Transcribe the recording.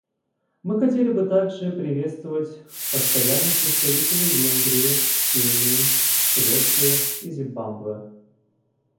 Мы хотели бы также приветствовать постоянных представителей Венгрии, Кении, Швеции и Зимбабве.